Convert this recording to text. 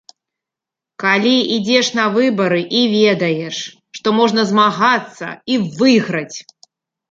Калі ідзеш на выбары і ведаеш, што можна змагацца і выйграць.